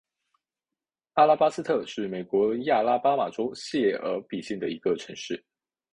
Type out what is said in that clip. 阿拉巴斯特是美国亚拉巴马州谢尔比县的一个城市。